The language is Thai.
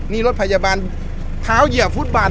นี่รถพยาบาลเท้าเหยียบฟุตบาท